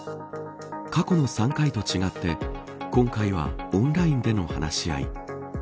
過去の３回と違って今回はオンラインでの話し合い。